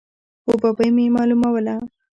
خو ببۍ مې معلوموله.